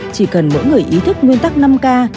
chỉ cần mỗi người ý thức nguyên tắc năm k